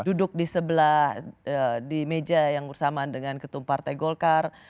duduk di sebelah di meja yang bersamaan dengan ketum partai golkar